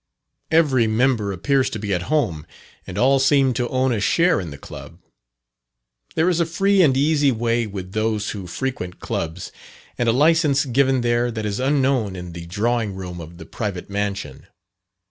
Every member appears to be at home, and all seem to own a share in the Club. There is a free and easy way with those who frequent Clubs, and a licence given there that is unknown in the drawing room of the private mansion.